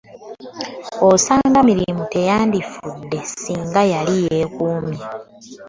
Osanga Mirimu teyandifudde ssinga yali yeekuumye.